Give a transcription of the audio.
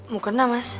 mau kena mas